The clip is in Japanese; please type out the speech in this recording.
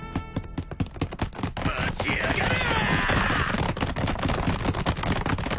待ちやがれ！